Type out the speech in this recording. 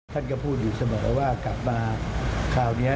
ท่านก็พูดอยู่เสมอว่ากลับมาคราวนี้